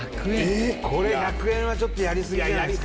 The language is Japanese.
これ１００円はちょっとやりすぎじゃないですか？